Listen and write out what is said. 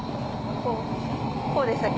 こうでしたっけ？